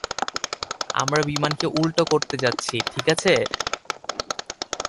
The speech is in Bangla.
আমরা বিমানকে উল্টো করতে যাচ্ছি, ঠিক আছে?